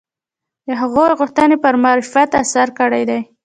د هغوی غوښتنې پر معرفت اثر کړی دی